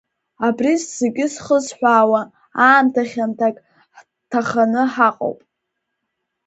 Абри зегьы зхысҳәаауа, аамҭа хьанҭак ҳҭаханы ҳаҟоуп.